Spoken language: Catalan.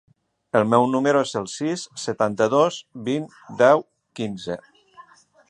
El meu número es el sis, setanta-dos, vint, deu, quinze.